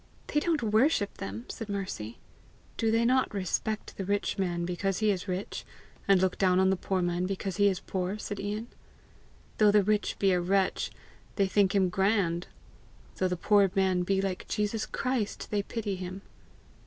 "They don't worship them!" said Mercy. "Do they not respect the rich man because he is rich, and look down on the poor man because he is poor?" said Ian. "Though the rich be a wretch, they think him grand; though the poor man be like Jesus Christ, they pity him!"